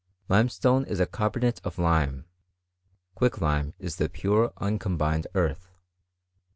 limestone b a carbonate fffUme; quicklime is the pure uncombined earth.